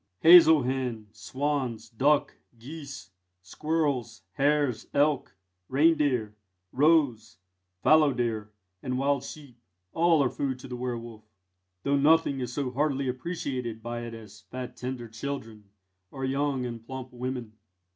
Hazel hen, swans, duck, geese, squirrels, hares, elk, reindeer, roes, fallowdeer, and wild sheep, all are food to the werwolf, though nothing is so heartily appreciated by it as fat tender children or young and plump women.